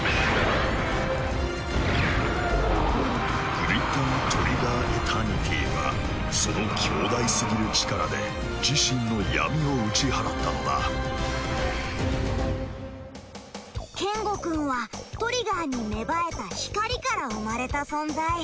グリッタートリガーエタニティはその強大すぎる力で自身の闇を打ち払ったのだケンゴくんはトリガーに芽生えた光から生まれた存在。